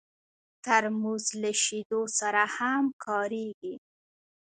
ترموز له شیدو سره هم کارېږي.